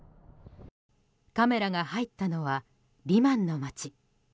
カメラが入ったのはリマンの街。